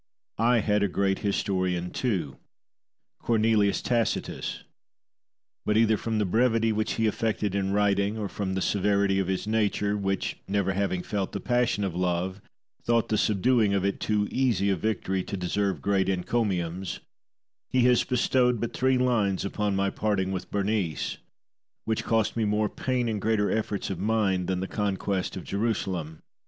I had a great historian too Cornelius Tacitus; but either from the brevity which he affected in writing, or from the severity of his nature, which never having felt the passion of love, thought the subduing of it too easy a victory to deserve great encomiums, he has bestowed but three lines upon my parting with Berenice, which cost me more pain and greater efforts of mind than the conquest of Jerusalem.